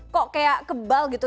kok kayak kebal gitu